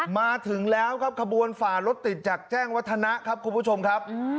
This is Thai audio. มาถึงแล้วครับขบวนฝ่ารถติดจากแจ้งวัฒนะครับคุณผู้ชมครับ